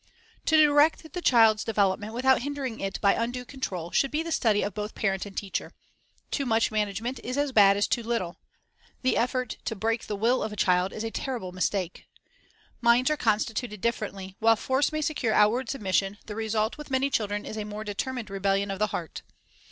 To direct the child's development without hindering it by undue control should be the study of both parent and teacher. Too much management is as bad as too little. The effort to "break the will" of a child is a ter rible mistake. Minds are constituted differently; while force may secure outward submission, the result with many children is a more determined rebellion of the heart.